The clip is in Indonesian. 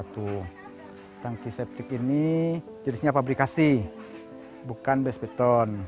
tangki septik ini jenisnya pabrikasi bukan base beton